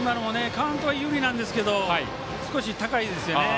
カウントは有利なんですが少し高いですよね。